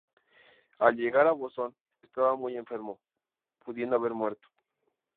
Al llegar a Boston estaba muy enfermo, pudiendo haber muerto.